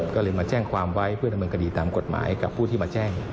ก็เลยมาแจ้งความไว้เพื่อดำเนินคดีตามกฎหมายกับผู้ที่มาแจ้ง